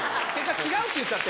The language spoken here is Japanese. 違うって言っちゃった。